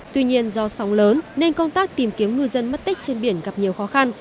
tuy nhiên do sóng lớn nên công tác tìm kiếm ngư dân mất tích trên biển gặp nhiều khó khăn